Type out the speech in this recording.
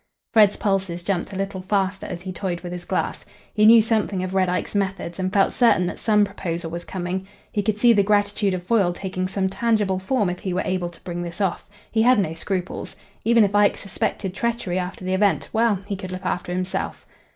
Fred's pulses jumped a little faster as he toyed with his glass. He knew something of Red Ike's methods, and felt certain that some proposal was coming. He could see the gratitude of Foyle taking some tangible form if he were able to bring this off. He had no scruples. Even if Ike suspected treachery after the event well, he could look after himself.